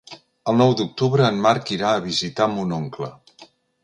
El nou d'octubre en Marc irà a visitar mon oncle.